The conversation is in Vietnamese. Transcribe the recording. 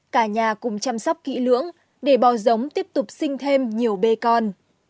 cả nhà cùng chăm sóc kỹ lưỡng để bò giống tiếp tục sinh thêm nhiều bê con